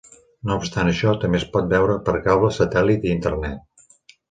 No obstant això, també es pot veure per cable, satèl·lit i Internet.